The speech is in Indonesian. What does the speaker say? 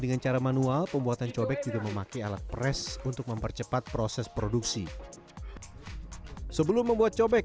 nah sebelum dibentuk menjadi cobek